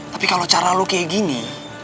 tapi kalau cara lo kayak gini